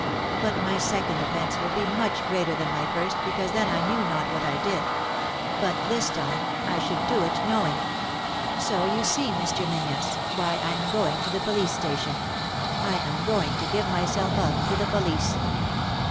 But my second offence will be much greater than my first, because then I knew not what I did. But, this time, I should do it knowing. So you see, Mr. Menzies, why I am going to the police station ; I am going to give myself up to the police."